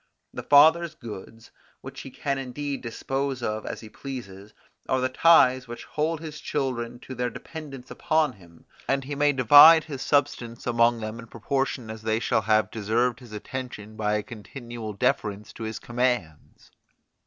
The father's goods, which he can indeed dispose of as he pleases, are the ties which hold his children to their dependence upon him, and he may divide his substance among them in proportion as they shall have deserved his attention by a continual deference to his commands.